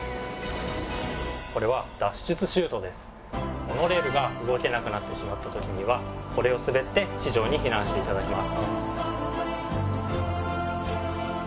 これはモノレールが動けなくなってしまった時にはこれを滑って地上に避難して頂きます。